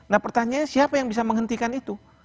nah pertanyaannya siapa yang bisa menghentikan itu